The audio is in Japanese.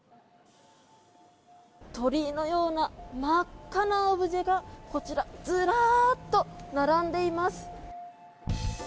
鳥居のような真っ赤なオブジェがこちら、ずらっと並んでいます。